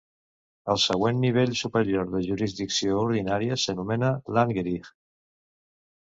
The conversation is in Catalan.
El següent nivell superior de jurisdicció ordinària s"anomena Landgericht.